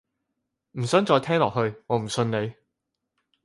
唔想再聽落去，我唔信你